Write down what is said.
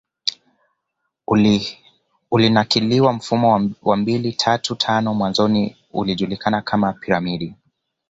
ulinakiliwa Mfumo wa mbili tatu tano mwanzoni ulijulikana kama Piramidi